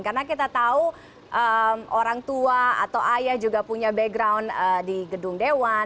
karena kita tahu orang tua atau ayah juga punya background di gedung dewan